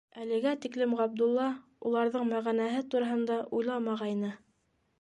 Әлегә тиклем Ғабдулла уларҙың мәғәнәһе тураһында уйламағайны.